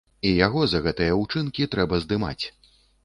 І яго за гэтыя ўчынкі трэба здымаць.